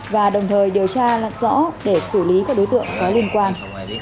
và đồng thời điều tra lặng rõ để xử lý các đối tượng có liên quan